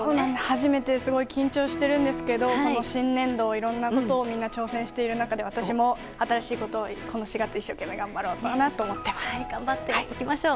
初めてですごい緊張しているんですけど新年度、いろんなことをみんな挑戦している中で私も新しいことをこの４月、一生懸命頑張っていきましょう。